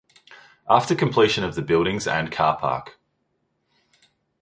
After completion of the buildings and car park.